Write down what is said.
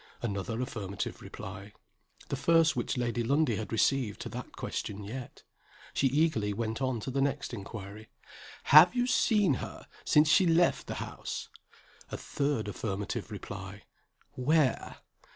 Another affirmative reply. The first which Lady Lundie had received to that question yet. She eagerly went on to the next inquiry. "Have you seen her since she left the house?" A third affirmative reply. "Where?"